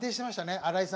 荒井さん